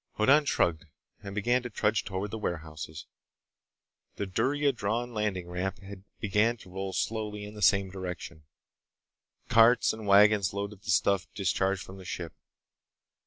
Hoddan shrugged and began to trudge toward the warehouses. The durya drawn landing ramp began to roll slowly in the same direction. Carts and wagons loaded the stuff discharged from the ship.